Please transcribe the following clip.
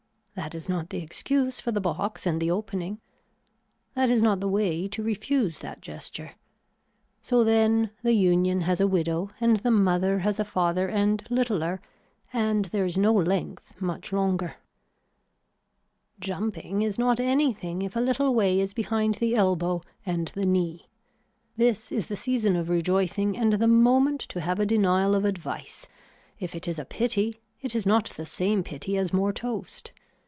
That is not the excuse for the box and the opening. That is not the way to refuse that gesture. So then the union has a widow and the mother has a father and littler and there is no length much longer. Jumping is not anything if a little way is behind the elbow and the knee. This is the season of rejoicing and the moment to have a denial of advice. If it is a pity it is not the same pity as more toast.